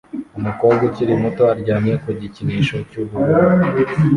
Umukobwa ukiri muto aryamye ku gikinisho cyubururu